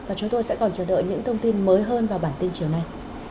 và chúng tôi sẽ còn chờ đợi những thông tin mới hơn vào bản tin chiều nay